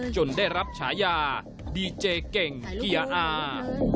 ได้รับฉายาดีเจเก่งเกียร์อา